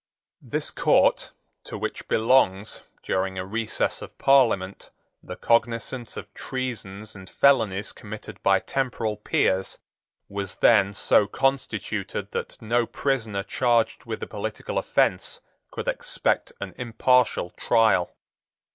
This court, to which belongs, during a recess of Parliament, the cognizance of treasons and felonies committed by temporal peers, was then so constituted that no prisoner charged with a political offence could expect an impartial trial.